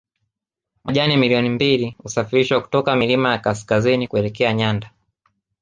Majani milioni mbili husafiri kutoka milima ya kaskazini kuelekea nyanda